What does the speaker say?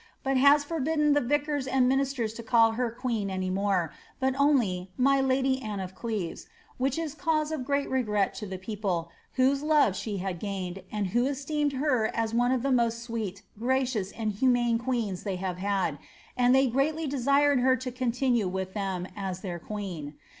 but has forbidden the vicars and ministers to call her queen any more, but only 'DJ lady Anne of Cleves,' which is cause of great regret to the people, whose Jfiive she had gained, and who esteemed her as one of the most sweet, gracions, twi humane queens tiiey have had, and they greatly desired her to continue witL them as their queen.